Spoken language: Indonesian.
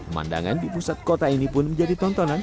pemandangan di pusat kota ini pun menjadi tontonan